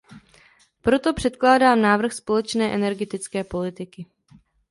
Proto předkládám návrh společné energetické politiky.